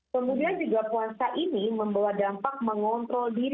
kemudian juga puasa ini membawa dampak mengontrol diri